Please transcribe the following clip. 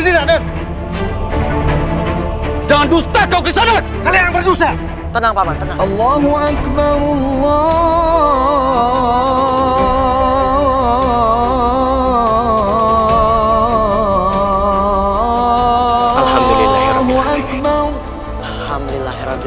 dia memang cenderung sendiri rade